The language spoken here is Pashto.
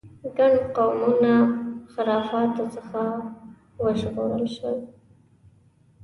ګڼ قومونه خرافاتو څخه وژغورل شول.